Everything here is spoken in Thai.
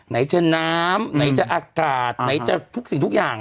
ไหนจะน้ำไหนจะอากาศไหนจะทุกสิ่งทุกอย่าง